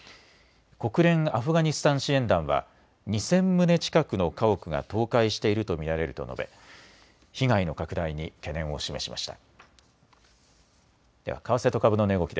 国連アフガニスタン支援団は２０００棟近くの家屋が倒壊していると見られると述べ被害の拡大に懸念を示しました。